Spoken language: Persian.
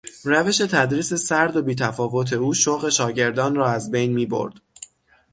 روش تدریس سرد و بیتفاوت او شوق شاگردان را از بین میبرد.